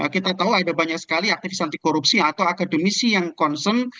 kita tahu ada banyak sekali aktivis anti korupsi atau akademisi yang concern